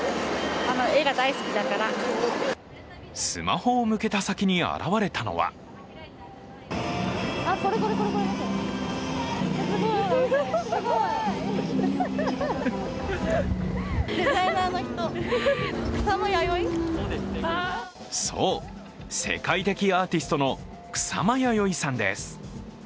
スマホを向けた先に現れたのはそう、世界的アーティストの草間彌生さんです。